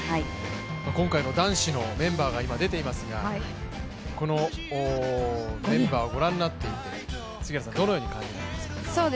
今回の男子のメンバーが今、出ていますが、このメンバーをご覧になっていて、どのようにお感じになりますか？